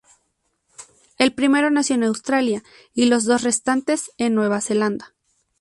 El primero nació en Australia y los dos restantes en Nueva Zelanda.